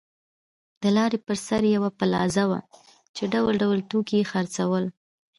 د لارې پر سر یوه پلازه وه چې ډول ډول توکي یې خرڅول.